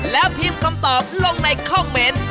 แล้วพิมพ์คำตอบลงในคอมเมนต์